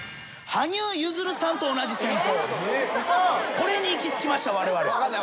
これに行き着きましたわれわれ。